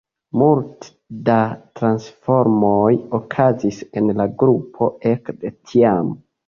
Multe da transformoj okazis en la grupo ekde tiam.